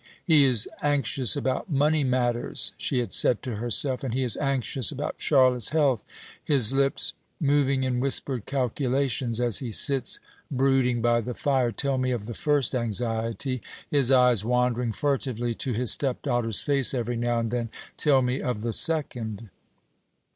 "He is anxious about money matters," she had said to herself, "and he is anxious about Charlotte's health. His lips, moving in whispered calculations, as he sits brooding by the fire, tell me of the first anxiety; his eyes, wandering furtively to his step daughter's face every now and then, tell me of the second."